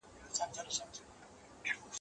زموږ مېږیانو هم زلمي هم ماشومان مري